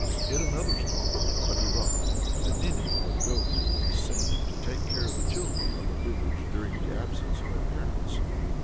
" In another story, a Durak, a "ninny" or "gowk" is sent to take care of the children of a village during the absence of their parents.